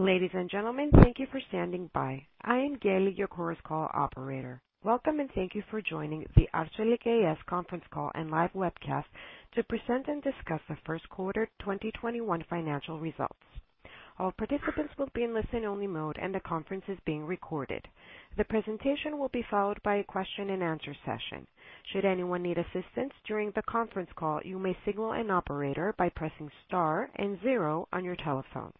Ladies and gentlemen, thank you for standing by. I am Kelly, your Chorus Call operator. Welcome, and thank you for joining the Arçelik A.Ş. conference call and live webcast to present and discuss the Q1 2021 financial results. All participants will be in listen-only mode, and the conference is being recorded. The presentation will be followed by a question and answer session. Should anyone need assistance during the conference call, you may signal an operator by pressing star and zero on your telephone.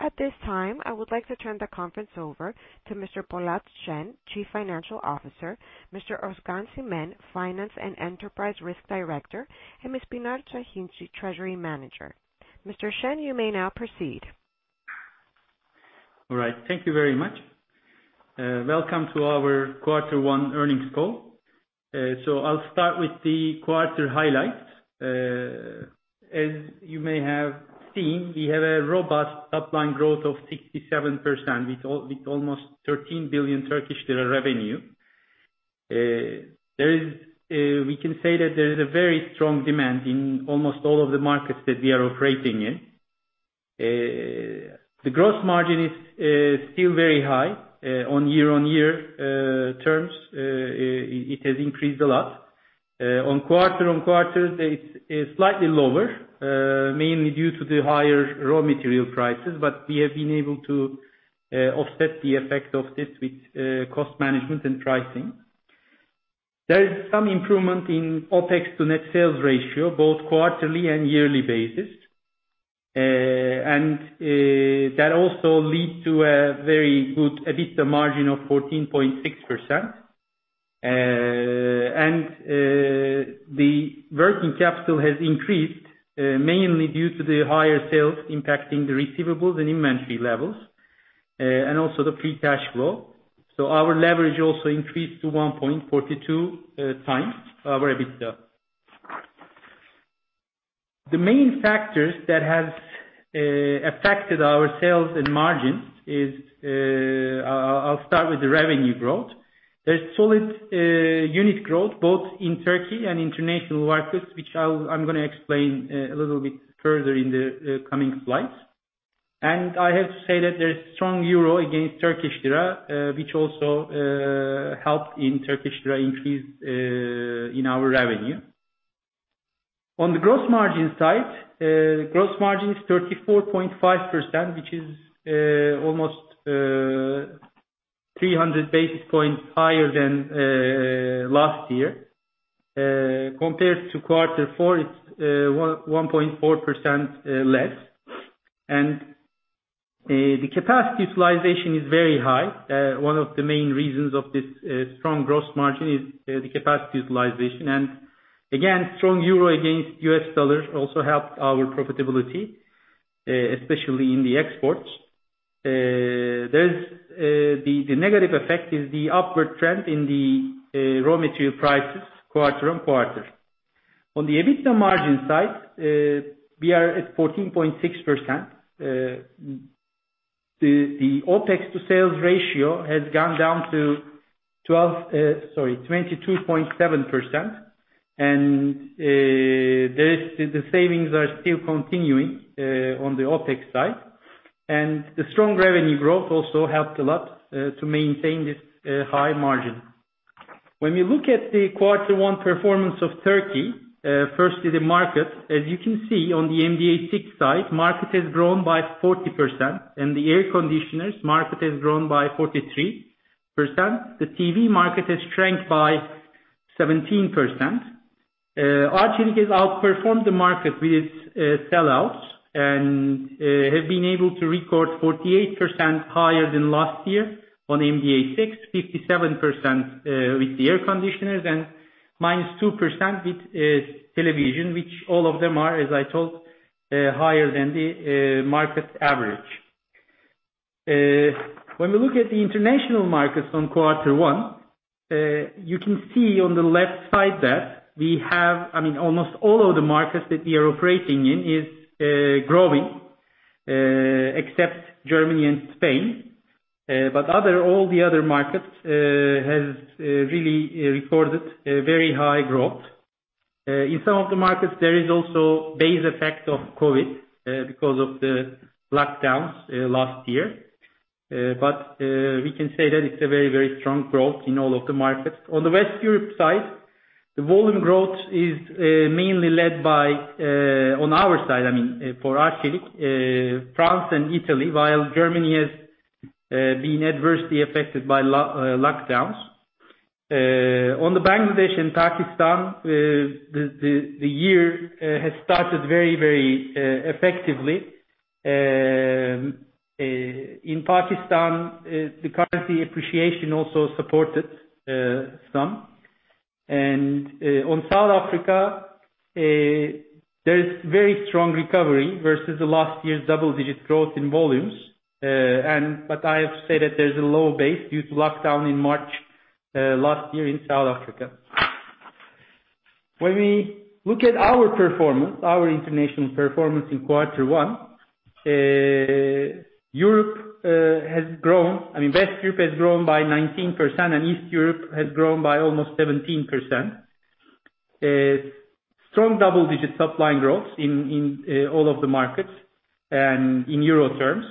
At this time, I would like to turn the conference over to Mr. Polat Şen, Chief Financial Officer, Mr. Özkan Çimen, Finance and Enterprise Risk Director, and Ms. Pınar Şahinci, Treasury Manager. Mr. Şen, you may now proceed. All right. Thank you very much. Welcome to our quarter one earnings call. I'll start with the quarter highlights. As you may have seen, we have a robust top-line growth of 67% with almost TRY 13 billion revenue. We can say that there is a very strong demand in almost all of the markets that we are operating in. The gross margin is still very high on year-over-year terms. It has increased a lot. On quarter-over-quarter, it's slightly lower, mainly due to the higher raw material prices. We have been able to offset the effect of this with cost management and pricing. There is some improvement in OpEx to net sales ratio, both quarterly and yearly basis. That also lead to a very good EBITDA margin of 14.6%. The working capital has increased, mainly due to the higher sales impacting the receivables and inventory levels, and also the free cash flow. Our leverage also increased to 1.42x our EBITDA. The main factors that have affected our sales and margins is, I'll start with the revenue growth. There's solid unit growth both in Turkey and international markets, which I'm going to explain a little bit further in the coming slides. I have to say that there's strong euro against Turkish lira, which also helped in Turkish lira increase in our revenue. On the gross margin side, gross margin is 34.5%, which is almost 300 basis points higher than last year. Compared to quarter four, it's 1.4% less. The capacity utilization is very high. One of the main reasons of this strong gross margin is the capacity utilization. Strong euro against U.S. dollars also helped our profitability, especially in the exports. The negative effect is the upward trend in the raw material prices quarter-on-quarter. On the EBITDA margin side, we are at 14.6%. The OpEx to sales ratio has gone down to 22.7%, and the savings are still continuing on the OpEx side. The strong revenue growth also helped a lot to maintain this high margin. When we look at the quarter one performance of Turkey, firstly, the market, as you can see on the MDA six side, market has grown by 40%, and the air conditioners market has grown by 43%. The TV market has shrank by 17%. Arçelik has outperformed the market with its sell-outs and have been able to record 48% higher than last year on MDA6, 57% with the air conditioners, and minus two percent with television, which all of them are, as I told, higher than the market average. When we look at the international markets from Q1, you can see on the left side that we have, almost all of the markets that we are operating in is growing, except Germany and Spain. All the other markets has really recorded a very high growth. In some of the markets, there is also base effect of COVID because of the lockdowns last year. We can say that it's a very strong growth in all of the markets. On the West Europe side, the volume growth is mainly led by, on our side, I mean, for Arçelik, France and Italy, while Germany has been adversely affected by lockdowns. On the Bangladesh and Pakistan, the year has started very effectively. In Pakistan, the currency appreciation also supported some. On South Africa, there is very strong recovery versus the last year's double-digit growth in volumes. I have to say that there's a low base due to lockdown in March last year in South Africa. When we look at our performance, our international performance in quarter one, Europe has grown. West Europe has grown by 19%, and East Europe has grown by almost 17%. Strong double-digit top-line growth in all of the markets and in Euro terms.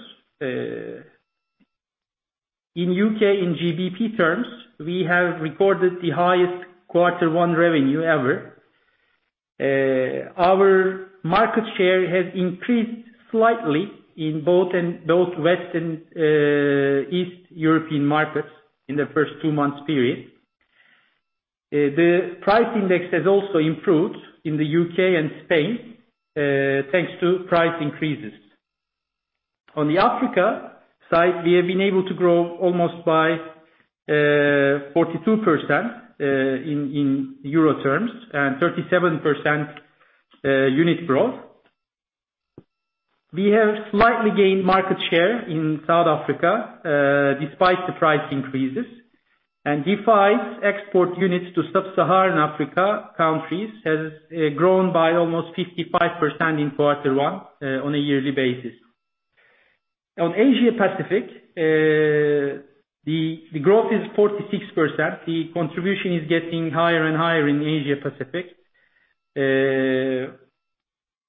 In U.K., in GBP terms, we have recorded the highest quarter one revenue ever. Our market share has increased slightly in both West and East European markets in the first two months period. The price index has also improved in the U.K. and Spain, thanks to price increases. On the Africa side, we have been able to grow almost by 42% in EUR terms and 37% unit growth. We have slightly gained market share in South Africa despite the price increases, and Defy's export units to Sub-Saharan Africa countries has grown by almost 55% in quarter one on a yearly basis. On Asia Pacific, the growth is 46%. The contribution is getting higher and higher in Asia Pacific.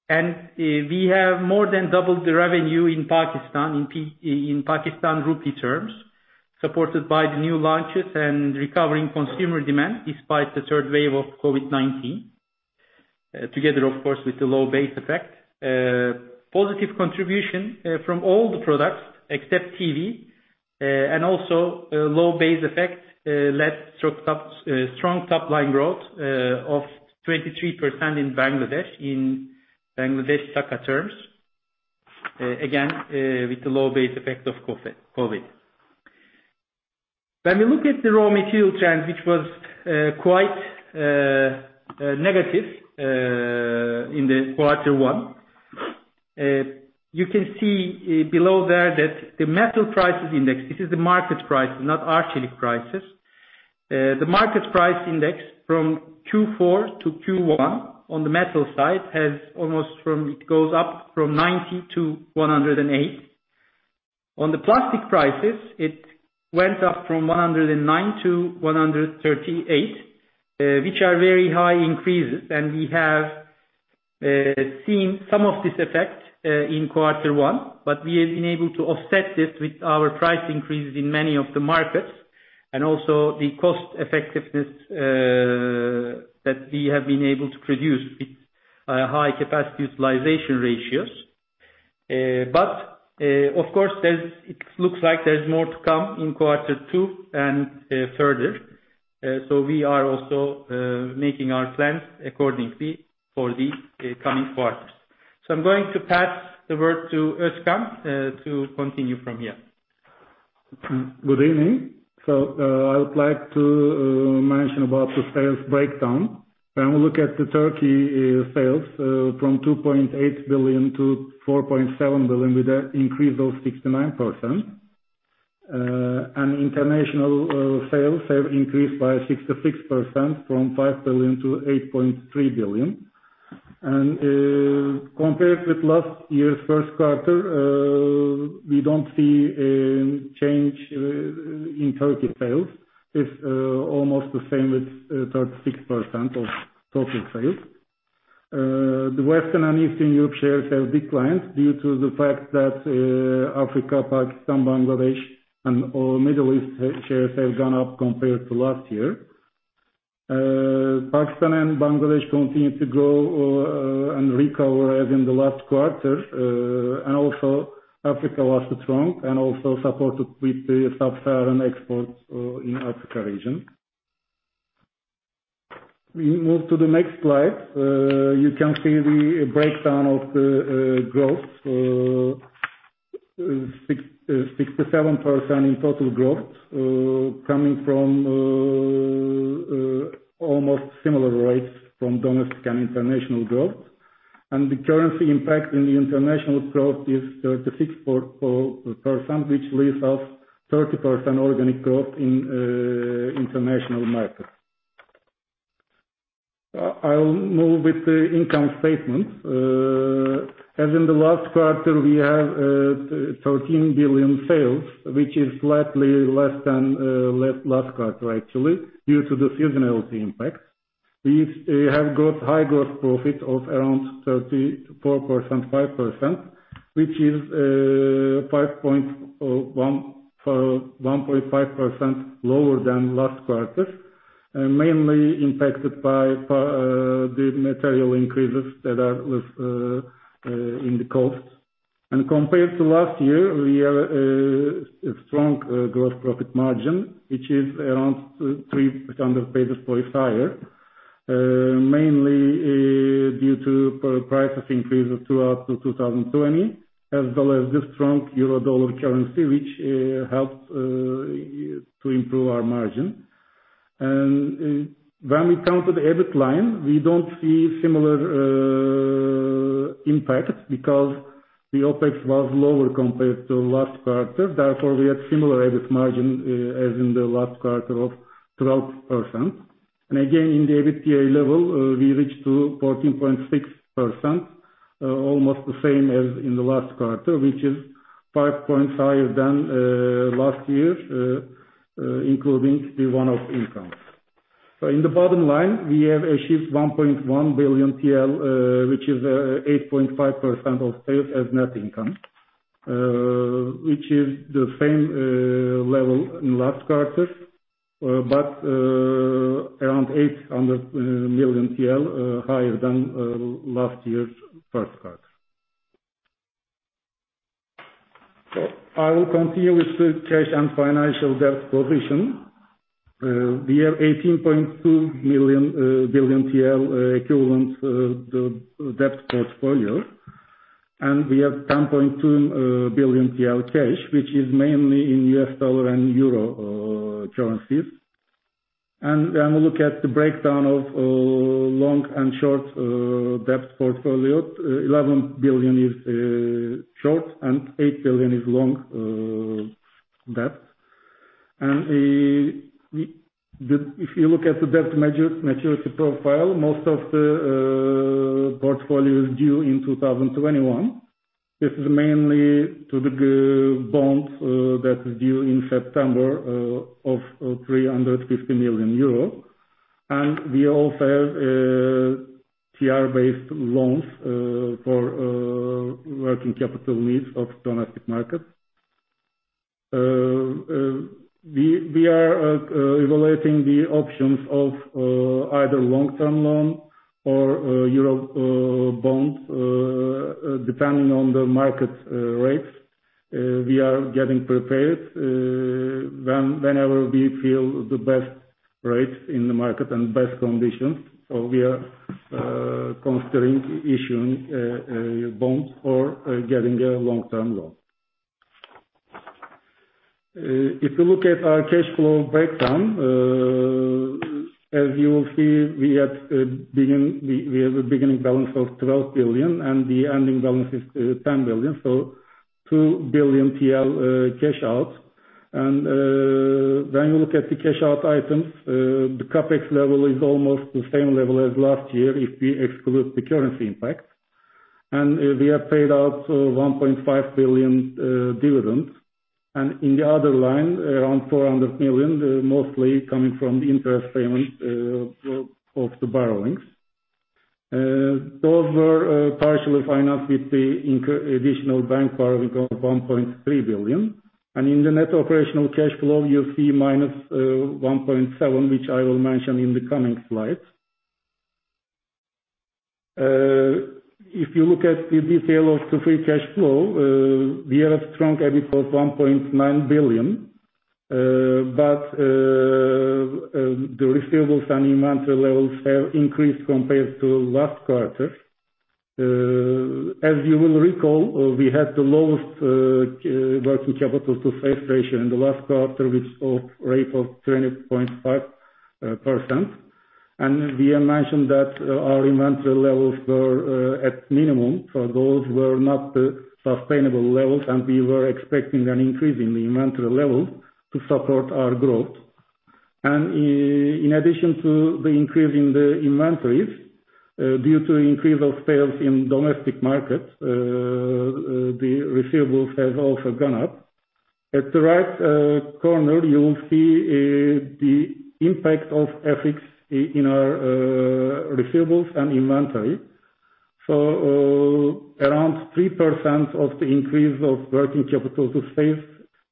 We have more than doubled the revenue in Pakistan, in PKR terms, supported by the new launches and recovering consumer demand despite the third wave of COVID-19, together, of course, with the low base effect. Positive contribution from all the products except TV, and also low base effect led strong top-line growth of 23% in Bangladesh, in Bangladesh Taka terms. Again, with the low base effect of COVID. When we look at the raw material trend, which was quite negative in the quarter one, you can see below there that the metal prices index, this is the market price, not Arçelik prices. The market price index from Q4 to Q1 on the metal side, it goes up from 90 to 108. On the plastic prices, it went up from 109 to 138, which are very high increases, and we have seen some of this effect in quarter one, but we have been able to offset this with our price increases in many of the markets and also the cost effectiveness that we have been able to produce with high capacity utilization ratios. Of course, it looks like there's more to come in quarter two and further. We are also making our plans accordingly for the coming quarters. I'm going to pass the word to Özkan to continue from here. Good evening. I would like to mention about the sales breakdown. When we look at the Turkey sales from 2.8 billion to 4.7 billion, we increased those 69%. International sales have increased by 66% from 5 billion to 8.3 billion. Compared with last year's Q1, we don't see a change in Turkey sales. It's almost the same with 36% of total sales. The Western and Eastern Europe shares have declined due to the fact that Africa, Pakistan, Bangladesh and Middle East shares have gone up compared to last year. Pakistan and Bangladesh continue to grow and recover as in the last quarter. Also Africa was strong and also supported with the Sub-Saharan exports in Africa region. We move to the next slide. You can see the breakdown of growth. 67% in total growth, coming from almost similar rates from domestic and international growth. The currency impact in the international growth is 36%, which leaves us 30% organic growth in international markets. I'll move with the income statement. As in the last quarter, we have 13 billion sales, which is slightly less than last quarter actually, due to the seasonality impact. We have got high gross profit of around 34.5%, which is 1.5% lower than last quarter, mainly impacted by the material increases that are within the costs. Compared to last year, we have a strong gross profit margin, which is around 300 basis points higher. Mainly due to price increases throughout 2020, as well as the strong euro dollar currency, which helped to improve our margin. When we come to the EBIT line, we don't see similar impact because the OpEx was lower compared to last quarter. We had similar EBIT margin as in the last quarter of 12%. Again, in the EBITDA level, we reached to 14.6%. Almost the same as in the last quarter, which is five points higher than last year, including the one-off income. In the bottom line, we have achieved 1.1 billion TL, which is 8.5% of sales as net income, which is the same level in last quarter. Around 800 million TL higher than last year's Q1. I will continue with the cash and financial debt position. We have 18.2 billion TL equivalent, the debt portfolio, and we have 10.2 billion TL cash, which is mainly in U.S. dollar and Euro currencies. When we look at the breakdown of long and short debt portfolio, 11 billion is short and 8 billion is long debt. If you look at the debt maturity profile, most of the portfolio is due in 2021. This is mainly to the bonds that is due in September of 350 million euro. We also have TL-based loans for working capital needs of domestic markets. We are evaluating the options of either long-term loan or EUR bonds, depending on the market rates. We are getting prepared. Whenever we feel the best rates in the market and best conditions, we are considering issuing bonds or getting a long-term loan. If you look at our cash flow breakdown, as you will see, we have a beginning balance of 12 billion, and the ending balance is 10 billion. 2 billion TL cash out. When you look at the cash out items, the CapEx level is almost the same level as last year if we exclude the currency impact. We have paid out 1.5 billion dividends. In the other line, around 400 million, mostly coming from the interest payment of the borrowings. Those were partially financed with the additional bank borrowing of 1.3 billion. In the net operational cash flow, you'll see minus 1.7 billion, which I will mention in the coming slides. If you look at the detail of the free cash flow, we have a strong EBITDA of 1.9 billion. The receivables and inventory levels have increased compared to last quarter. As you will recall, we had the lowest working capital to sales ratio in the last quarter, which of rate of 20.5%. We mentioned that our inventory levels were at minimum. Those were not sustainable levels, and we were expecting an increase in the inventory level to support our growth. In addition to the increase in the inventories, due to increase of sales in domestic markets, the receivables have also gone up. At the right corner, you will see the impact of FX in our receivables and inventory. Around three percent of the increase of working capital to sales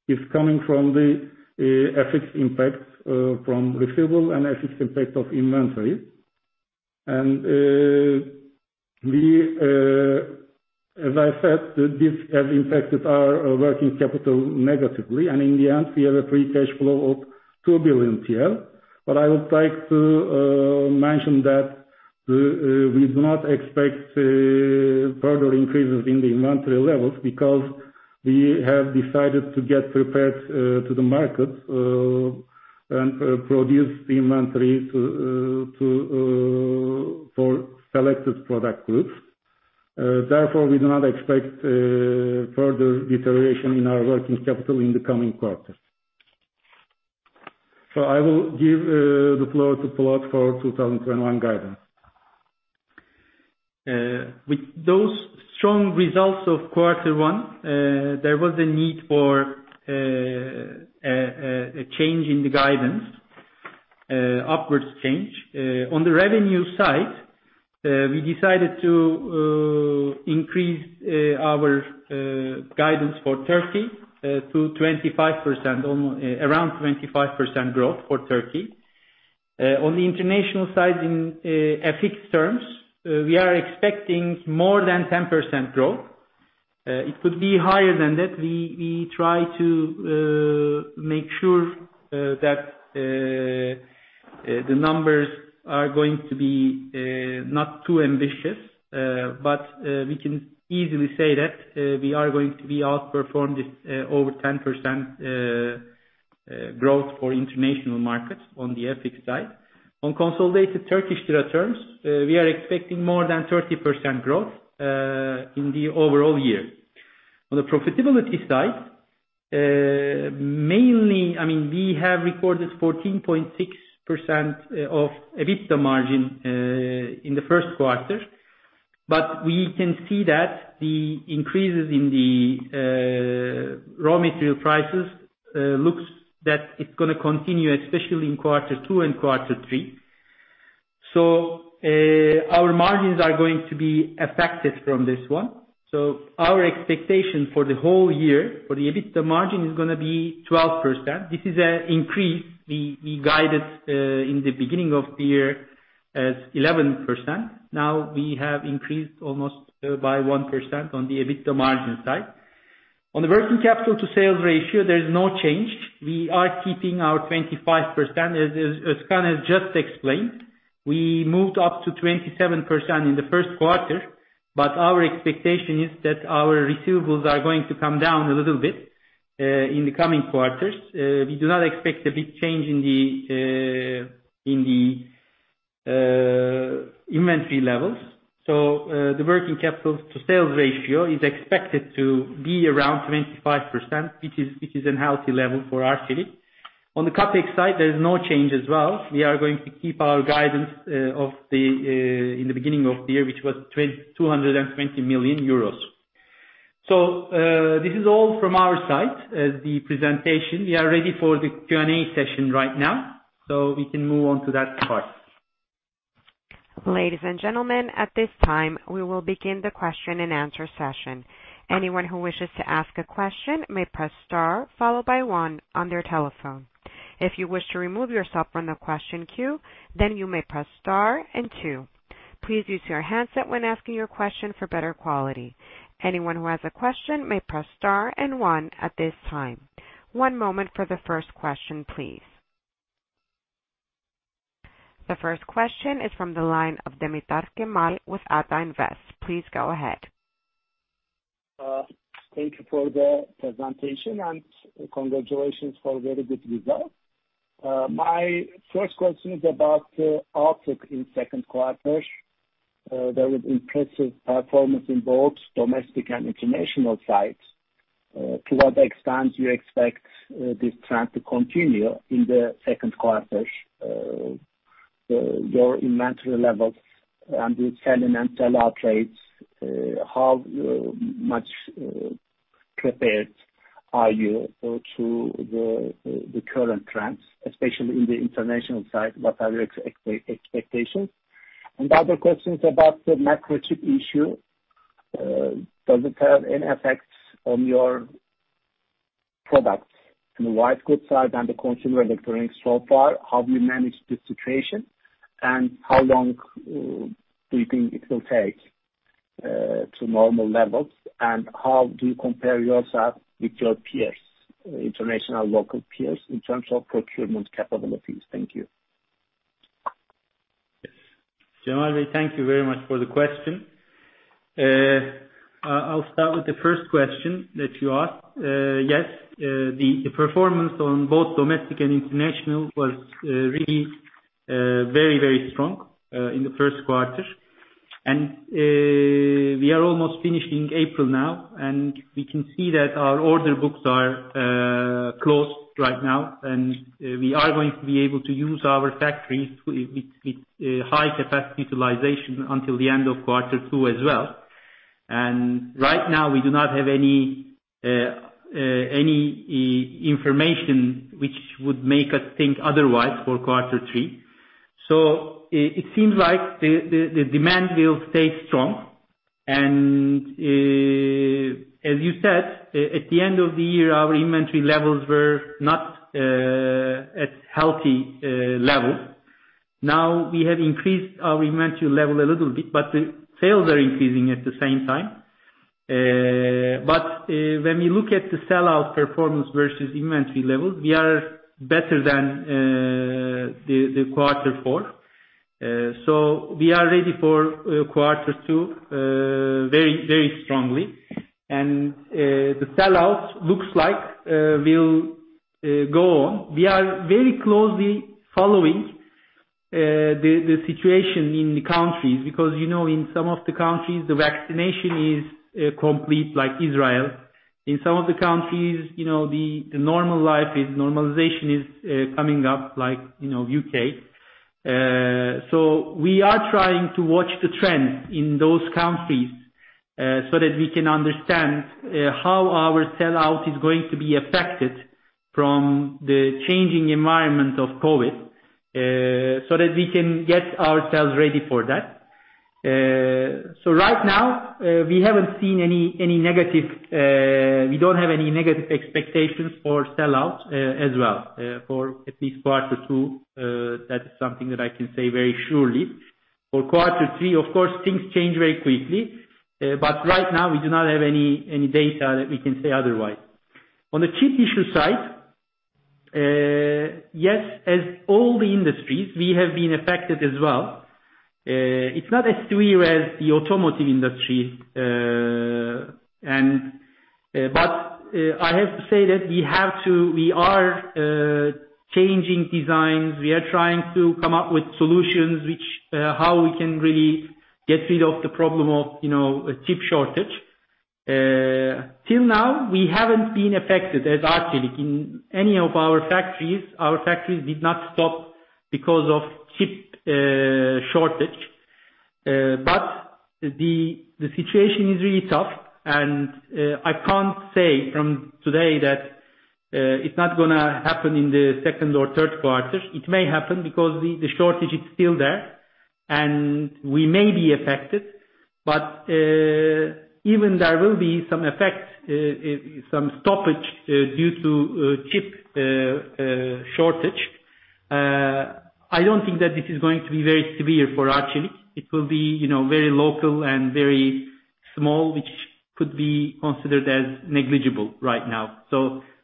is coming from the FX impact from receivables and FX impact of inventory. As I said, this has impacted our working capital negatively, and in the end, we have a free cash flow of 2 billion TL. I would like to mention that we do not expect further increases in the inventory levels because we have decided to get prepared to the market and produce the inventory for selected product groups. Therefore, we do not expect further deterioration in our working capital in the coming quarters. I will give the floor to Polat for 2021 guidance. With those strong results of quarter one, there was a need for a change in the guidance, upwards change. On the revenue side, we decided to increase our guidance for Turkey to around 25% growth for Turkey. On the international side, in FX terms, we are expecting more than 10% growth. It could be higher than that. We try to make sure that the numbers are going to be not too ambitious. We can easily say that we are going to be outperformed over 10% growth for international markets on the FX side. On consolidated Turkish lira terms, we are expecting more than 30% growth in the overall year. On the profitability side, we have recorded 14.6% of EBITDA margin in the first quarter. We can see that the increases in the raw material prices looks that it's going to continue, especially in Q2 and Q3. Our margins are going to be affected from this one. Our expectation for the whole year for the EBITDA margin is going to be 12%. This is an increase. We guided, in the beginning of the year, as 11%. Now we have increased almost by one percent on the EBITDA margin side. On the working capital to sales ratio, there is no change. We are keeping our 25%, as Can has just explained. We moved up to 27% in the Q1, but our expectation is that our receivables are going to come down a little bit, in the coming quarters. We do not expect a big change in the inventory levels. The working capital to sales ratio is expected to be around 25%, which is an healthy level for Arçelik. On the CapEx side, there is no change as well. We are going to keep our guidance in the beginning of the year, which was 220 million euros. This is all from our side, the presentation. We are ready for the Q&A session right now, so we can move on to that part. Ladies and gentlemen, at this time, we will begin the question and answer session. Anyone who wishes to ask a question may press star, followed by one on their telephone. If you wish to remove yourself from the question queue, then you may press star and two. Please use your handset when asking your question for better quality. Anyone who has a question may press star and one at this time. One moment for the first question, please. The first question is from the line of Cemal Demirtaş with Ata Invest. Please go ahead. Thank you for the presentation. Congratulations for a very good result. My first question is about the outlook in Q2. There was impressive performance in both domestic and international sides. To what extent do you expect this trend to continue in the Q2? Your inventory levels and the sell in and sell out rates, how much prepared are you to the current trends, especially in the international side? What are your expectations? The other question is about the microchip issue. Does it have any effects on your products in the white good side and the consumer electronics so far? How do you manage the situation, and how long do you think it will take to normal levels? How do you compare yourself with your peers, international local peers, in terms of procurement capabilities? Thank you. Yes. Cemal, thank you very much for the question. I'll start with the first question that you asked. Yes, the performance on both domestic and international was really very strong, in the first quarter. We are almost finishing April now, and we can see that our order books are closed right now, and we are going to be able to use our factories with high capacity utilization until the end of Q2 as well. Right now, we do not have any information which would make us think otherwise for Q3. It seems like the demand will stay strong, and as you said, at the end of the year, our inventory levels were not at healthy level. Now we have increased our inventory level a little bit, but the sales are increasing at the same time. When we look at the sellout performance versus inventory levels, we are better than the Q4. We are ready for Q2 very strongly. The sellout looks like will go on. We are very closely following the situation in the countries, because in some of the countries, the vaccination is complete, like Israel. In some of the countries, the normalization is coming up like, U.K. We are trying to watch the trend in those countries so that we can understand how our sellout is going to be affected from the changing environment of COVID, so that we can get ourselves ready for that. Right now, we don't have any negative expectations for sellout as well for at least Q2. That is something that I can say very surely. For Q3, of course, things change very quickly. Right now, we do not have any data that we can say otherwise. On the chip issue side, yes, as all the industries, we have been affected as well. It's not as severe as the automotive industry, but I have to say that we are changing designs. We are trying to come up with solutions, how we can really get rid of the problem of chip shortage. Till now, we haven't been affected as Arçelik in any of our factories. Our factories did not stop because of chip shortage. The situation is really tough, and I can't say from today that it's not going to happen in the Q2 or Q3r. It may happen because the shortage is still there, and we may be affected. Even there will be some effect, some stoppage, due to chip shortage, I don't think that this is going to be very severe for Arçelik. It will be very local and very small, which could be considered as negligible right now.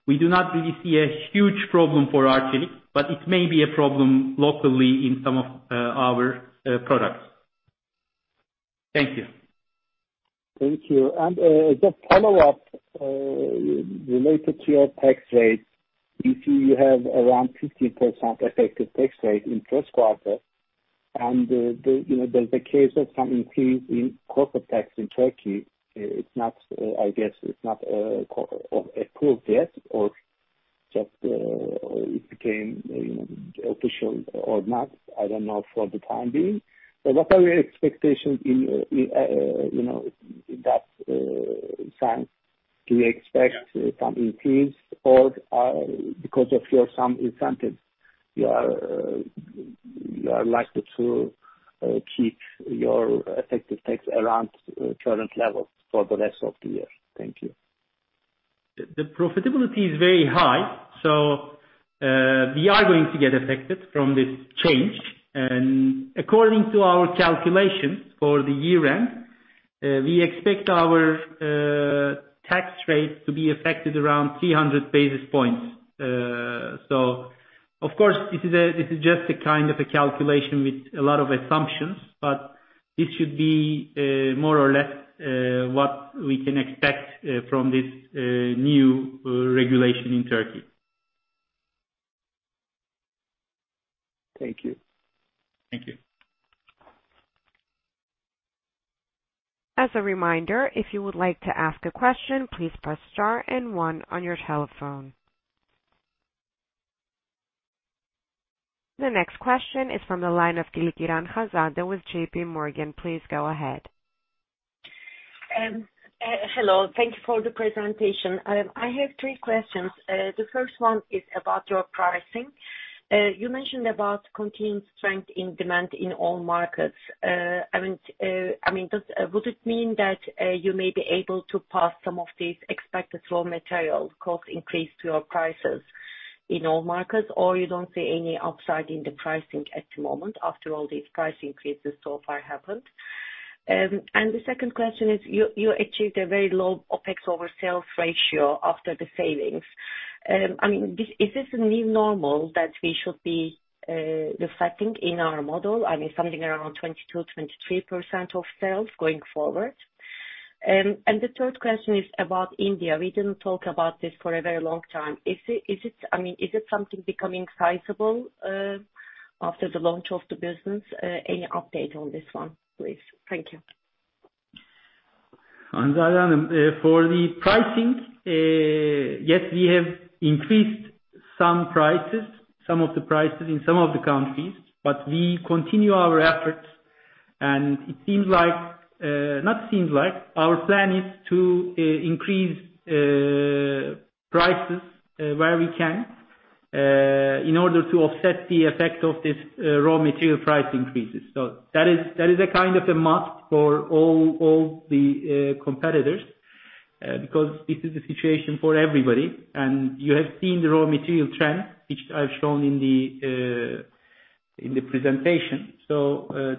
We do not really see a huge problem for Arçelik, but it may be a problem locally in some of our products. Thank you. Thank you. Just follow up, related to your tax rate. If you have around 50% effective tax rate in Q1, and there's a case of some increase in corporate tax in Turkey, I guess it's not approved yet or just it became official or not, I don't know for the time being. What are your expectations in that sense? Do you expect some increase or because of your some incentive, you are likely to keep your effective tax around current level for the rest of the year? Thank you. The profitability is very high, so we are going to get affected from this change. According to our calculations for the year end, we expect our tax rate to be affected around 300 basis points. Of course, this is just a kind of a calculation with a lot of assumptions, but this should be more or less what we can expect from this new regulation in Turkey. Thank you. Thank you. As a reminder, if you would like to ask a question, please press star and one on your telephone. The next question is from the line of Hanzade Kilickiran with JPMorgan. Please go ahead. Hello. Thank you for the presentation. I have three questions. The first one is about your pricing. You mentioned about continued strength in demand in all markets. Would it mean that you may be able to pass some of these expected raw material cost increase to your prices in all markets, or you don't see any upside in the pricing at the moment after all these price increases so far happened? The second question is, you achieved a very low OpEx over sales ratio after the savings. Is this a new normal that we should be reflecting in our model? I mean, something around 22%, 23% of sales going forward. The third question is about India. We didn't talk about this for a very long time. Is it something becoming sizable after the launch of the business? Any update on this one, please? Thank you. Hazal, for the pricing, yes, we have increased some of the prices in some of the countries, we continue our efforts. It seems like our plan is to increase prices where we can in order to offset the effect of this raw material price increases. That is a kind of a must for all the competitors, because this is the situation for everybody. You have seen the raw material trend, which I've shown in the presentation.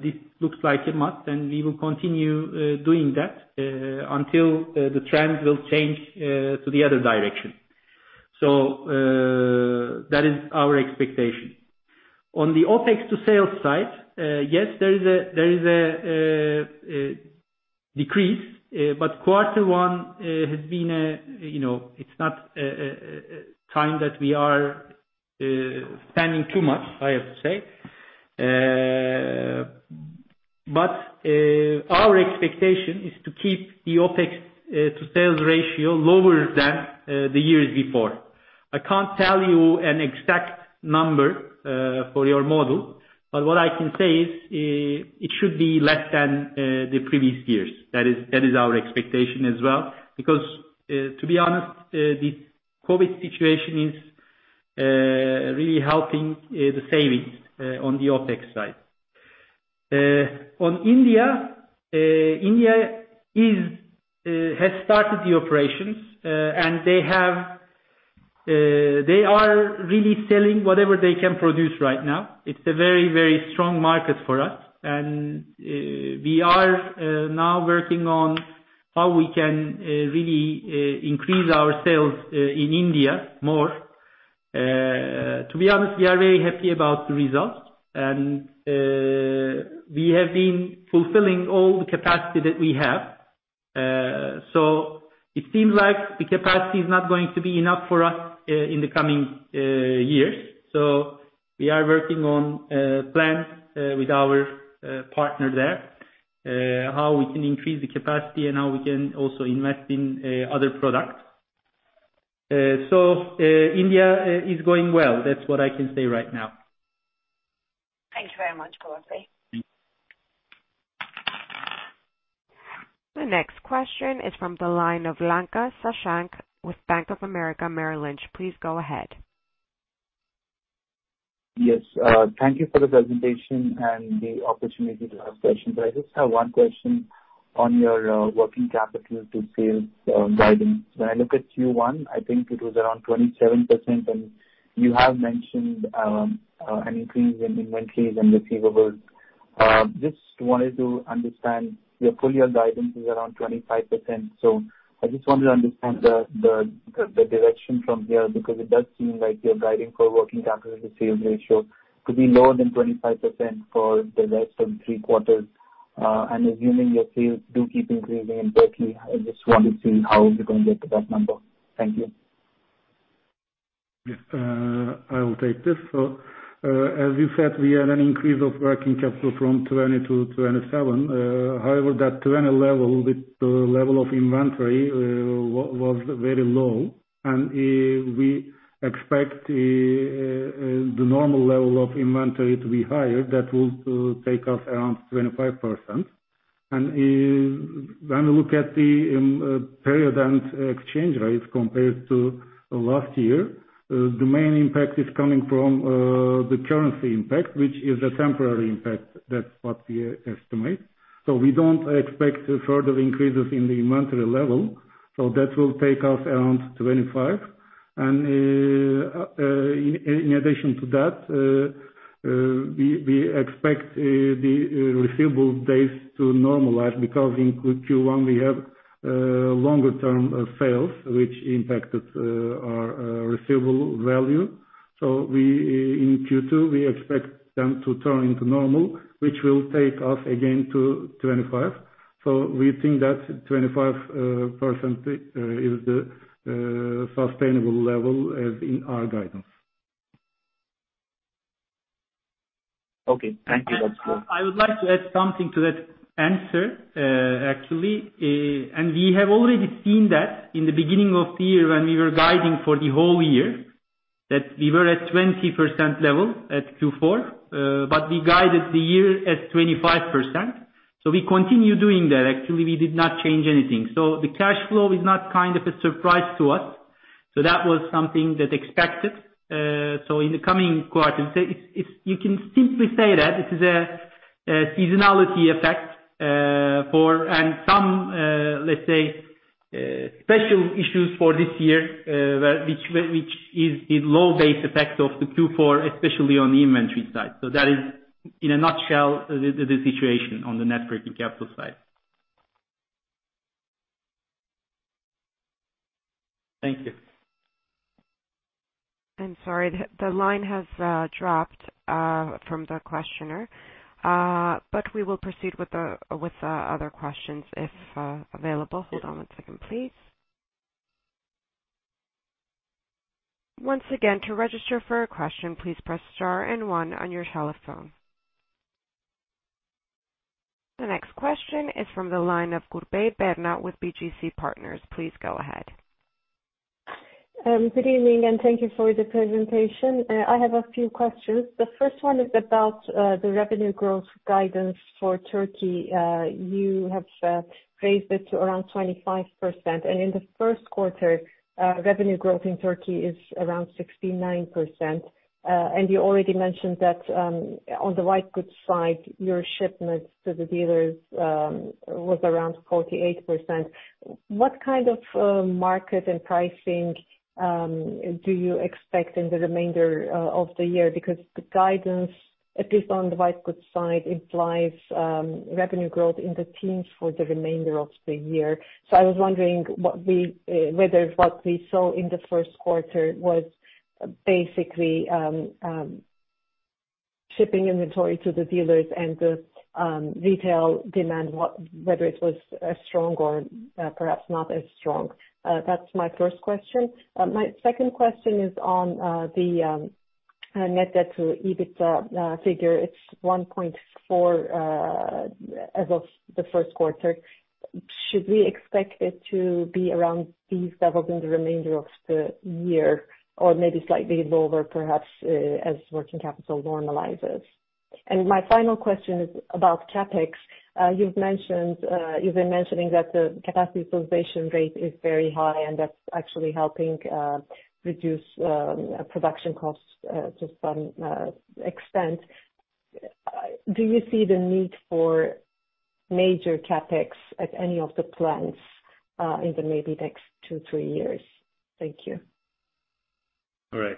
This looks like a must, we will continue doing that until the trend will change to the other direction. That is our expectation. On the OpEx to sales side, yes, there is a decrease, Q1, it's not a time that we are spending too much, I have to say. Our expectation is to keep the OpEx to sales ratio lower than the years before. I can't tell you an exact number for your model, but what I can say is it should be less than the previous years. That is our expectation as well. To be honest, this COVID situation is really helping the savings on the OpEx side. On India has started the operations, and they are really selling whatever they can produce right now. It's a very, very strong market for us. We are now working on how we can really increase our sales in India more. To be honest, we are very happy about the results, and we have been fulfilling all the capacity that we have. It seems like the capacity is not going to be enough for us in the coming years. We are working on a plan with our partner there, how we can increase the capacity and how we can also invest in other products. India is going well. That's what I can say right now. Thank you very much, Koray. The next question is from the line of Lanka Sashank with Bank of America Merrill Lynch. Please go ahead. Yes. Thank you for the presentation and the opportunity to ask questions. I just have one question on your working capital to sales guidance. When I look at Q1, I think it was around 27%, and you have mentioned an increase in inventories and receivables. Just wanted to understand, your full year guidance is around 25%. I just wanted to understand the direction from there, because it does seem like you're guiding for working capital to sales ratio to be lower than 25% for the rest of Q3. Assuming your sales do keep increasing in Turkey, I just want to see how you're going to get to that number. Thank you. Yes. I will take this. As you said, we had an increase of working capital from 20 to 27. However, that 20 level with the level of inventory was very low. We expect the normal level of inventory to be higher. That will take us around 25%. When we look at the period and exchange rates compared to last year, the main impact is coming from the currency impact, which is a temporary impact. That's what we estimate. We don't expect further increases in the inventory level. That will take us around 25. In addition to that, we expect the receivable days to normalize because in Q1 we have longer term sales, which impacted our receivable value. In Q2, we expect them to turn to normal, which will take us again to 25. We think that 25% is the sustainable level as in our guidance. Okay, thank you. That's all. I would like to add something to that answer actually. We have already seen that in the beginning of the year when we were guiding for the whole year, that we were at 20% level at Q4, but we guided the year at 25%. We continue doing that. Actually, we did not change anything. The cash flow is not a surprise to us. That was something that expected. In the coming quarters, you can simply say that it is a seasonality effect, and some, let's say, special issues for this year, which is the low base effect of the Q4, especially on the inventory side. That is, in a nutshell, the situation on the net working capital side. Thank you. I'm sorry. The line has dropped from the questioner. We will proceed with other questions if available. Hold on one second, please. Once again, to register for a question, please press star and one on your telephone. The next question is from the line of Kurbey Berna with BGC Partners. Please go ahead. Good evening, and thank you for the presentation. I have a few questions. The first one is about the revenue growth guidance for Turkey. You have raised it to around 25%. In the first quarter, revenue growth in Turkey is around 69%. You already mentioned that on the white goods side, your shipments to the dealers was around 48%. What kind of market and pricing do you expect in the remainder of the year? The guidance, at least on the white goods side, implies revenue growth in the teens for the remainder of the year. I was wondering whether what we saw in the Q1 was basically shipping inventory to the dealers and the retail demand, whether it was as strong or perhaps not as strong. That's my first question. My second question is on the net debt to EBITDA figure. It's 1.4 as of the Q1. Should we expect it to be around these levels in the remainder of the year, or maybe slightly lower, perhaps, as working capital normalizes? My final question is about CapEx. You've been mentioning that the capacity utilization rate is very high and that's actually helping reduce production costs to some extent. Do you see the need for major CapEx at any of the plants in the maybe next two- three years? Thank you. All right.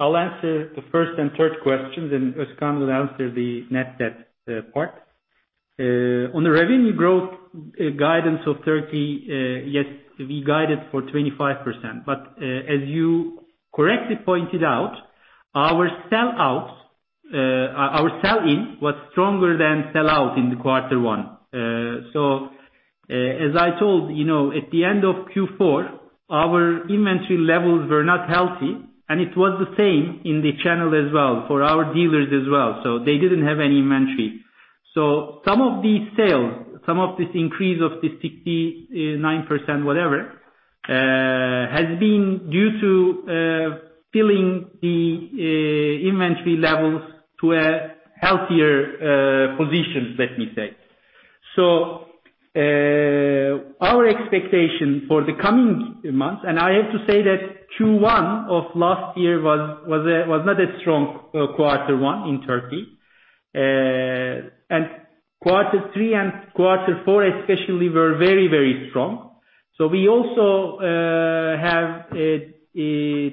I'll answer the first and third questions. Özkan will answer the net debt part. On the revenue growth guidance of Turkey, yes, we guided for 25%. As you correctly pointed out, our sell-in was stronger than sell-out in quarter one. As I told, at the end of Q4, our inventory levels were not healthy, and it was the same in the channel as well for our dealers as well. They didn't have any inventory. Some of these sales, some of this increase of the 69% whatever, has been due to filling the inventory levels to a healthier position, let me say. Our expectation for the coming months, and I have to say that Q1 of last year was not a strong quarter one in Turkey. Q3 and Q4 especially were very, very strong. We also have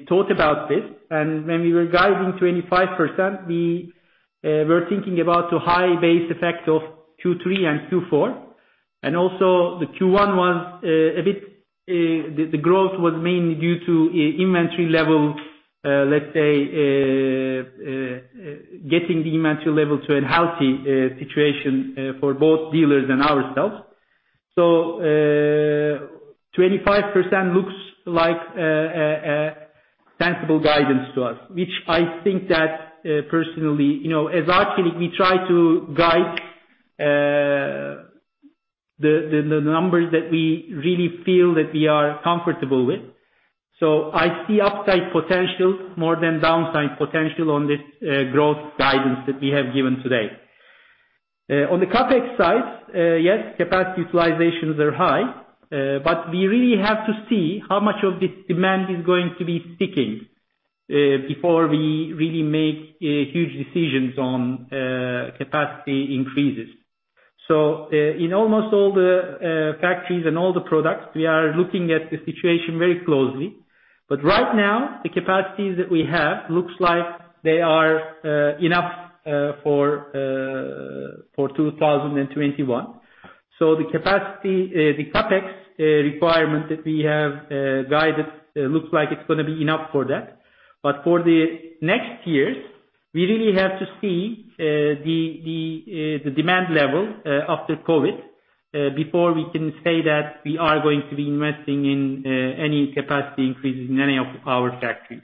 thought about this. When we were guiding 25%, we were thinking about the high base effect of Q3 and Q4. The growth was mainly due to inventory level, let's say, getting the inventory level to a healthy situation for both dealers and ourselves. 25% looks like a sensible guidance to us, which I think that personally, as Arçelik, we try to guide the numbers that we really feel that we are comfortable with. I see upside potential more than downside potential on this growth guidance that we have given today. On the CapEx side, yes, capacity utilizations are high. We really have to see how much of this demand is going to be sticking before we really make huge decisions on capacity increases. In almost all the factories and all the products, we are looking at the situation very closely. Right now, the capacities that we have looks like they are enough for 2021. The CapEx requirement that we have guided looks like it's going to be enough for that. For the next years, we really have to see the demand level after COVID before we can say that we are going to be investing in any capacity increases in any of our factories.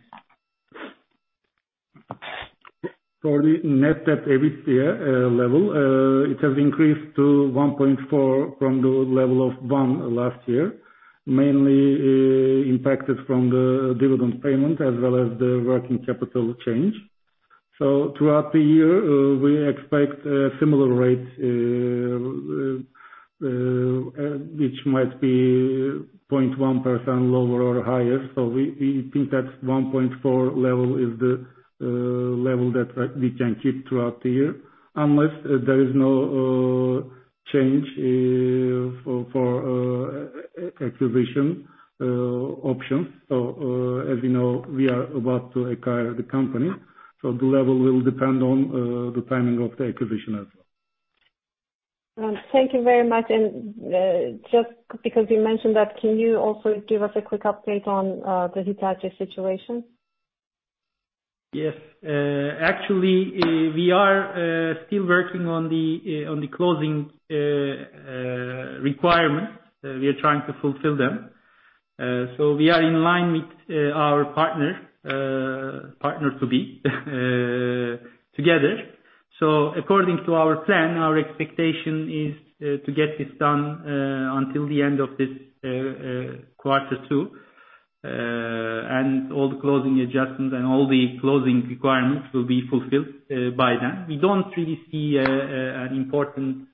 For the net debt EBITDA level, it has increased to 1.4 from the level of one last year, mainly impacted from the dividend payment as well as the working capital change. Throughout the year, we expect a similar rate, which might be 0.1% lower or higher. We think that 1.4 level is the level that we can keep throughout the year, unless there is no change for acquisition options. As you know, we are about to acquire the company. The level will depend on the timing of the acquisition as well. Thank you very much. Just because you mentioned that, can you also give us a quick update on the Hitachi situation? Yes. Actually, we are still working on the closing requirements. We are trying to fulfill them. We are in line with our partner to be together. According to our plan, our expectation is to get this done until the end of this Q2. All the closing adjustments and all the closing requirements will be fulfilled by then. We don't really see an important,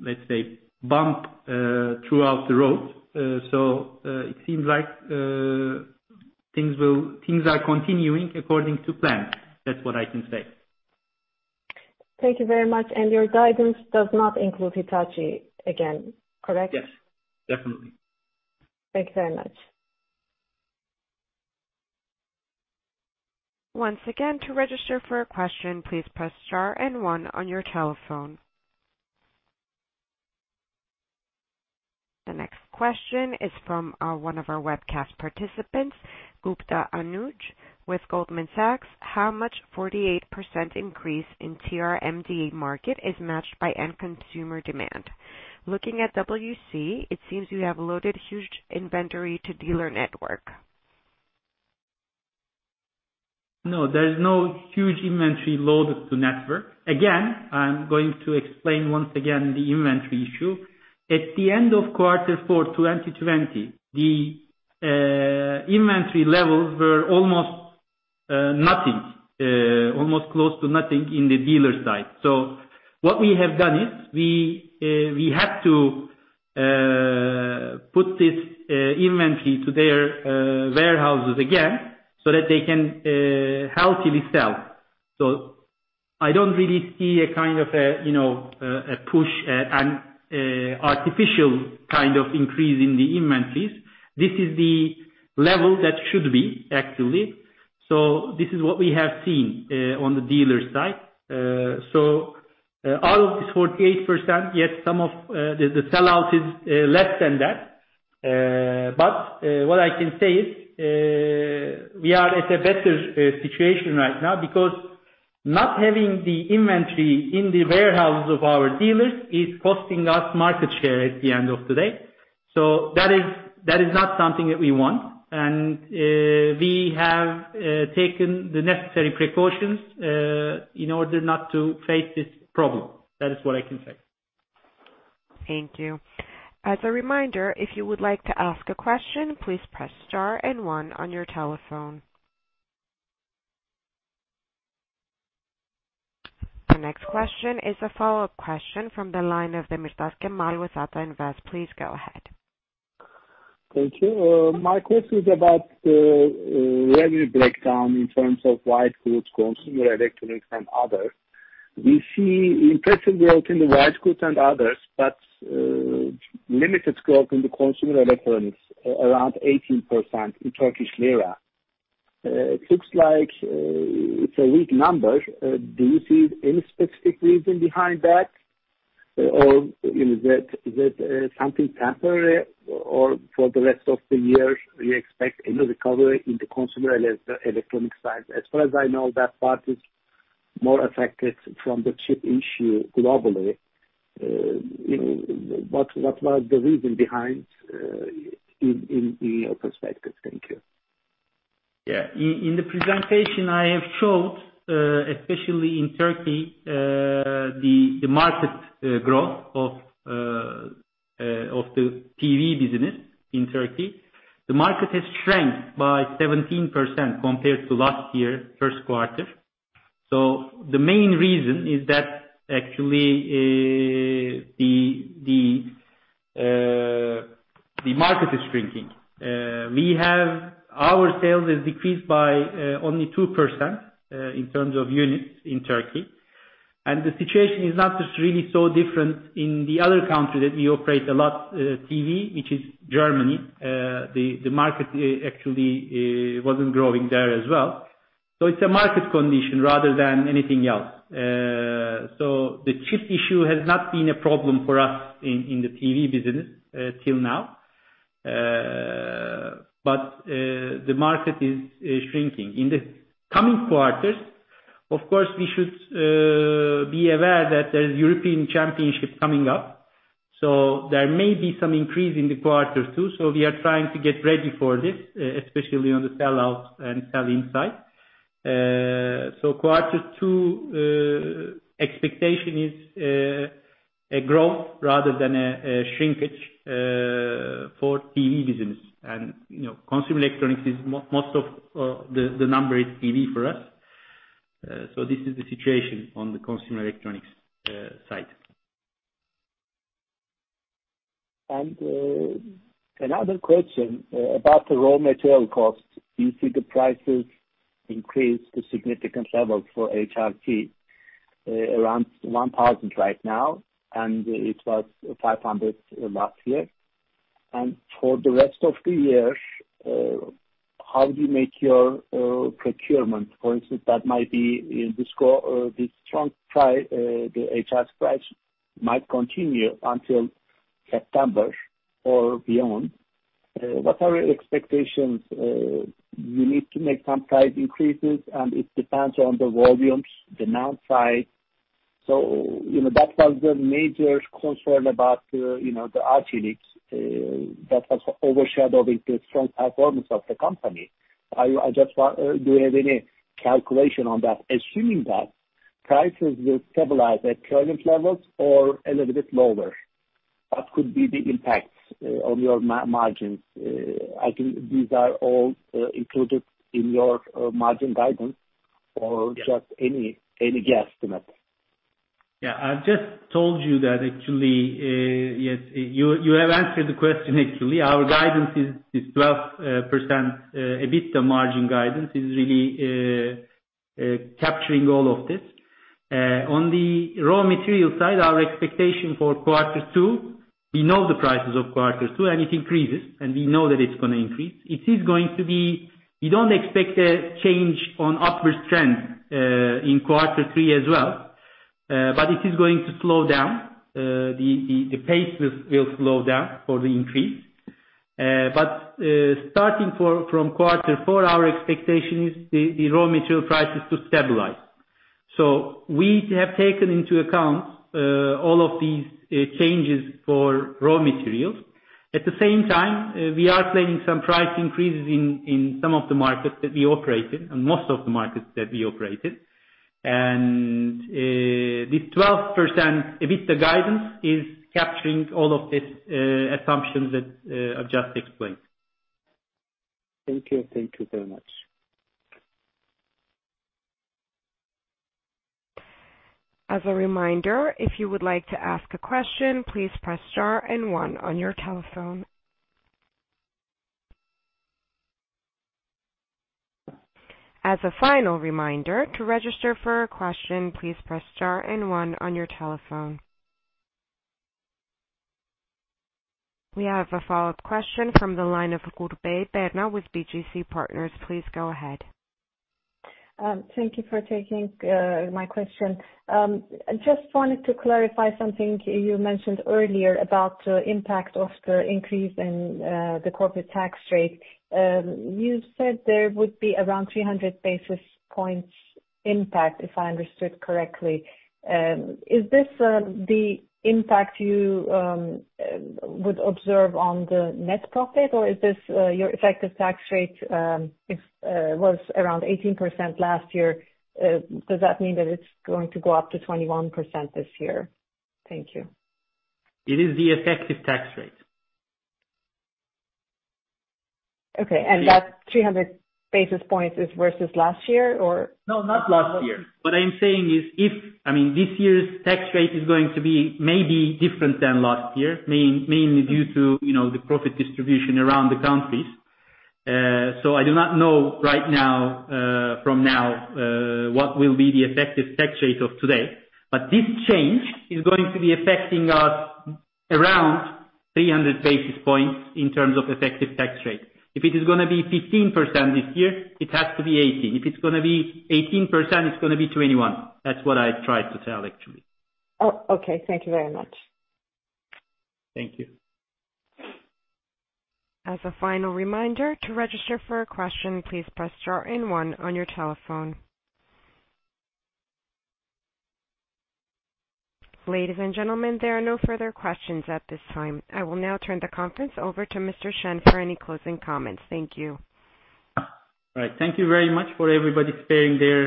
let's say, bump throughout the road. It seems like things are continuing according to plan. That's what I can say. Thank you very much. Your guidance does not include Hitachi again, correct? Yes. Definitely. Thank you very much. The next question is from one of our webcast participants, Anuj Gupta with Goldman Sachs. How much 48% increase in TR MDA market is matched by end consumer demand? Looking at WC, it seems you have loaded huge inventory to dealer network. No, there's no huge inventory loaded to network. Again, I'm going to explain once again the inventory issue. At the end of Q4 2020, the inventory levels were almost nothing, almost close to nothing in the dealer side. What we have done is, we had to put this inventory to their warehouses again so that they can healthily sell. I don't really see a kind of a push, an artificial kind of increase in the inventories. This is the level that should be, actually. This is what we have seen on the dealer side. Out of this 48%, yet some of the sellout is less than that. What I can say is, we are at a better situation right now because not having the inventory in the warehouse of our dealers is costing us market share at the end of the day. That is not something that we want. We have taken the necessary precautions in order not to face this problem. That is what I can say. Thank you. As a reminder, if you would like to ask a question, please press star and one on your telephone. The next question is a follow-up question from the line of Cemal Demirtaş with Ata Invest. Please go ahead. Thank you. My question is about revenue breakdown in terms of white goods, consumer electronics, and others. We see impressive growth in the white goods and others, but limited growth in the consumer electronics, around 18% in Turkish lira. It looks like it's a weak number. Do you see any specific reason behind that? Or is that something temporary? Or for the rest of the year, we expect a new recovery in the consumer electronics side? As far as I know, that part is more affected from the chip issue globally. What was the reason behind, in your perspectives? Thank you. Yeah. In the presentation I have showed, especially in Turkey, the market growth of the TV business in Turkey. The market has shrank by 17% compared to last year, Q1. The main reason is that actually the market is shrinking. Our sales has decreased by only two percent in terms of units in Turkey. The situation is not just really so different in the other country that we operate a lot TV, which is Germany. The market actually wasn't growing there as well. It's a market condition rather than anything else. The chip issue has not been a problem for us in the TV business until now. The market is shrinking. In the coming quarters, of course, we should be aware that there's European Championship coming up. There may be some increase in the Q2. We are trying to get ready for this, especially on the sell-out and sell-in side. Quarter two expectation is a growth rather than a shrinkage for TV business. Consumer electronics, most of the number is TV for us. This is the situation on the consumer electronics side. Another question about the raw material cost. Do you see the prices increase to significant levels for HRC? Around 1,000 right now, and it was 500 last year. For the rest of the year, how do you make your procurement? For instance, the HRC price might continue until September or beyond. What are your expectations? Do you need to make some price increases? It depends on the volumes, demand side. That was the major concern about the Arçelik that was overshadowing the strong performance of the company. Do you have any calculation on that, assuming that prices will stabilize at current levels or a little bit lower? What could be the impact on your margins? I think these are all included in your margin guidance or just any guesstimate. Yeah. You have answered the question actually. Our guidance is 12% EBITDA margin guidance, is really capturing all of this. On the raw material side, our expectation for Q2, we know the prices of quarter two, and it increases, and we know that it's going to increase. We don't expect a change on upward trend in Q3 as well. It is going to slow down. The pace will slow down for the increase. Starting from Q4, our expectation is the raw material prices to stabilize. We have taken into account all of these changes for raw materials. At the same time, we are planning some price increases in some of the markets that we operate in and most of the markets that we operate in. This 12% EBITDA guidance is capturing all of the assumptions that I've just explained. Thank you. Thank you very much. As a reminder, if you would like to ask a question, please press star and one on your telephone. As a final reminder, to register for a question, please press star and one on your telephone. We have a follow-up question from the line of Kurbay Berna with BGC Partners. Please go ahead. Thank you for taking my question. I just wanted to clarify something you mentioned earlier about the impact of the increase in the corporate tax rate. You said there would be around 300 basis points impact, if I understood correctly. Is this the impact you would observe on the net profit? Or is this your effective tax rate was around 18% last year, does that mean that it's going to go up to 21% this year? Thank you. It is the effective tax rate. Okay. That 300 basis points is versus last year, or? No, not last year. What I'm saying is, this year's tax rate is going to be maybe different than last year, mainly due to the profit distribution around the countries. I do not know right now from now what will be the effective tax rate of today. This change is going to be affecting us around 300 basis points in terms of effective tax rate. If it is going to be 15% this year, it has to be 18%. If it's going to be 18%, it's going to be 21%. That's what I tried to tell, actually. Oh, okay. Thank you very much. Thank you. As a final reminder, to register for a question, please press star and one on your telephone. Ladies and gentlemen, there are no further questions at this time. I will now turn the conference over to Mr. Şen for any closing comments. Thank you. Right. Thank you very much for everybody sparing their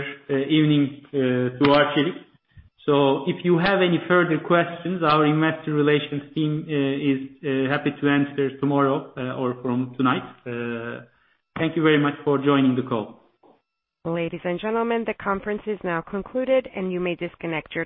evening to Arçelik. If you have any further questions, our investor relations team is happy to answer tomorrow or from tonight. Thank you very much for joining the call. Ladies and gentlemen, the conference is now concluded and you may disconnect your telephone